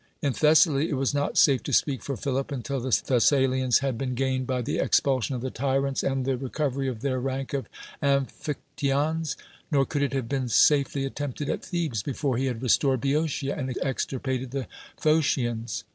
In Thessaly it was not safe to speak for Philip until the Thessalians had been gained by the expulsion of the tyrants and 138 DEMOSTHENES the recovery of their rank of amphictyons; iior eould it have been safely attempted at Thelses before he had restored Bcpotia and extirpated the Pliocians.